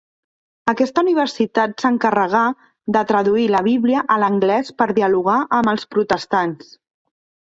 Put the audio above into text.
Aquesta universitat s'encarregà de traduir la Bíblia a l'anglès per dialogar amb els protestants.